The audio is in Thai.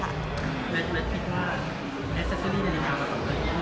แล้วคุณคิดว่าแอสเซซินี่นานิกามันสำคัญหรือเปล่า